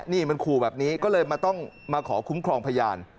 นี่มันขู่แบบนี้ก็เลยมาต้องมาขอคุ้มครองพยาน